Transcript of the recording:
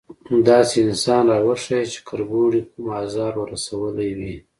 _داسې انسان راوښيه چې کربوړي کوم ازار ور رسولی وي؟